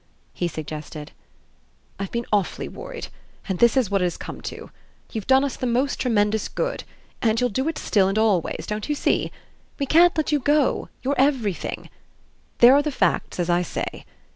he suggested. "I've been awfully worried, and this's what it has come to. You've done us the most tremendous good, and you'll do it still and always, don't you see? We can't let you go you're everything. There are the facts as I say.